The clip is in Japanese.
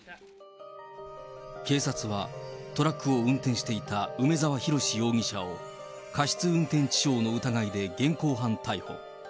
警察はトラックを運転していた梅沢洋容疑者を、過失運転致傷の疑いで現行犯逮捕。